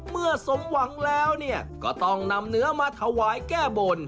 เมื่อสมหวังแล้วก็ต้องนำเนื้อมาถวายแก้บน